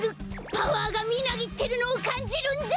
パワーがみなぎってるのをかんじるんだ！